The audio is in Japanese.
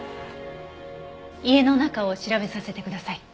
家の中を調べさせてください。